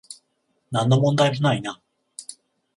なんの問題もないな